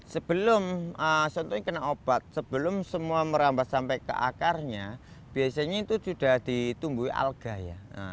sebelum semua merambat sampai ke akarnya biasanya itu sudah ditumbuhi alga ya